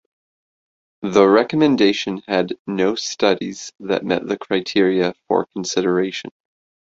The recommendation had no studies that met the criteria for consideration.